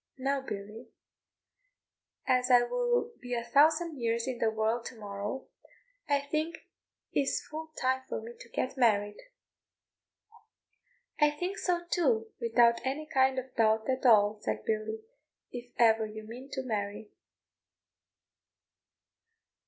Now Billy, as I will be a thousand years in the world to morrow, I think it is full time for me to get married." "I think so too, without any kind of doubt at all," said Billy, "if ever you mean to marry."